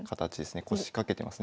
腰掛けてますね。